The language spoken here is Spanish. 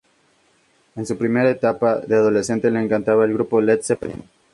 En su primera etapa de adolescente le encantaba el grupo Led Zeppelin.